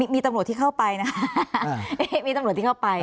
มีตำรวจที่เข้าไปนะคะมีตำรวจที่เข้าไป